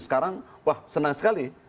sekarang wah senang sekali